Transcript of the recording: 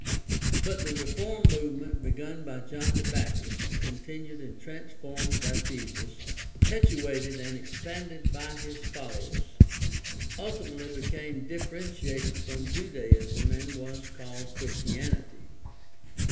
But the reform movement begun by John the Baptist, con tinued and transformed by Jesus, perpetuated and expanded by his followers, ultimately became differentiated from Judaism and was called Christianity.